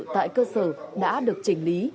tại cơ sở đã được chỉnh lý